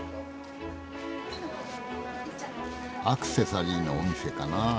アクセサリーのお店かなあ。